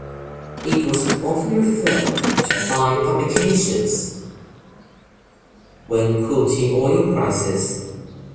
It is often referred to by publications when quoting oil prices.